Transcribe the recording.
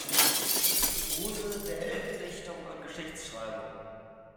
Sie ist die Muse der Heldendichtung und Geschichtsschreibung.